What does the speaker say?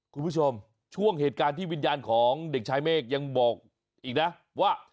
คุณผู้ชมช่วงเหตุการณ์ที่วิญญาณของเด็กชายเมฆยังบอกอีกนะว่า